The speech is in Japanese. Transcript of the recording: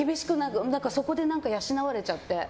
そこで養われちゃって。